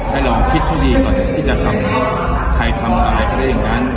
ให้ลองคิดให้ดีก่อนที่จะทำใครทำอะไรอะไรอย่างนั้น